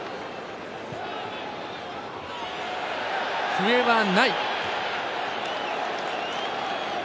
笛はない。